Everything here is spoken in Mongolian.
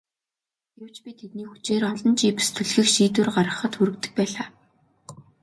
Гэвч би тэднийг хүчээр олон чипс түлхэх шийдвэр гаргахад хүргэдэг байлаа.